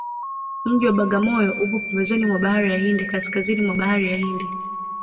mji wa bagamoyo upo pembezoni mwa bahari ya hindi kaskazini mwa bahari ya hindi